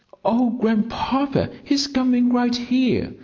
"Oh, Grandpapa, he's coming right here!"